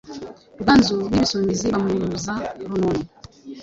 Ruganzu n'ibisumizi bamuza runono ,